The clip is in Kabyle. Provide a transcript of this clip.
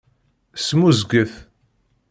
Smuzget.